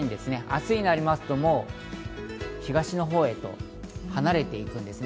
明日になりますと、もう東のほうへと離れていくんです。